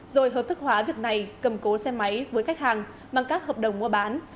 rồi hợp thức hóa việc này cầm cố xe máy với khách hàng bằng các hợp đồng mua bán